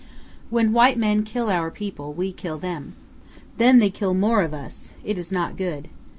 "When white men kill our people, we kill them. Then they kill more of us. It is not good.